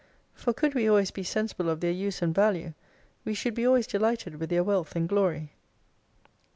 For could we always be sensible of their use and value, we should be always delighted with their wealth and glory.